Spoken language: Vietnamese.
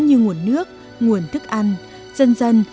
như nguồn nước nguồn thức ăn dần dần